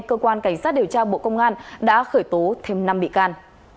cơ quan cảnh sát điều tra bộ công an đã khởi tố thêm năm bị can